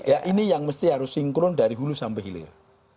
ya ini yang mesti harus sinkron dari hulu sampai hilir